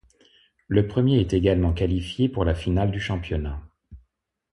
Le premier est également qualifié pour la finale du championnat.